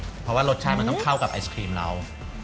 เพราะว่ารสชาติมันต้องเข้ากับไอศครีมเรา